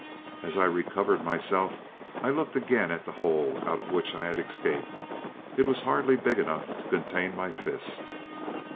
As I recovered myself, I looked again at the hole out of which I had escaped; it was hardly big enough to contain my fist.